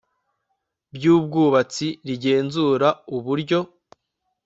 by ubwubatsi rigenzura uburyo